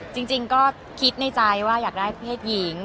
จริงก็คิดในใจว่าอยากได้เพศหญิง